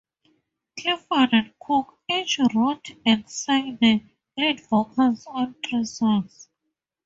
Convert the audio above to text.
Clifford and Cook each wrote and sang the lead vocals on three songs.